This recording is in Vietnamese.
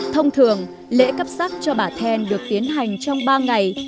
thông thường lễ cấp sắc cho bà then được tiến hành trong ba ngày